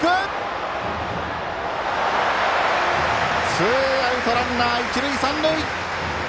ツーアウト、ランナー、一塁三塁。